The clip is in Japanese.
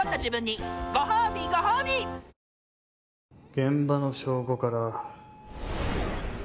現場の証拠から。